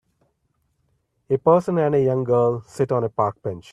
A person and a young girl sit on a park bench.